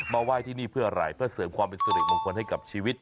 ไหว้ที่นี่เพื่ออะไรเพื่อเสริมความเป็นสิริมงคลให้กับชีวิต